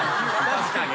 確かに。